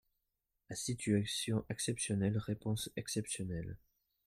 À situation exceptionnelle, réponses exceptionnelles.